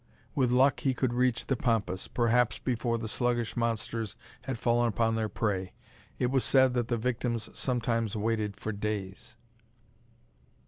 With luck he could reach the pampas, perhaps before the sluggish monsters had fallen upon their prey. It was said that the victims sometimes waited for days!